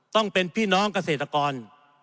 ต้องเป็นพี่น้องเกษตรกร